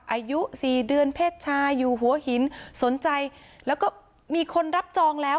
อายุสี่เดือนเพศชายอยู่หัวหินสนใจแล้วก็มีคนรับจองแล้ว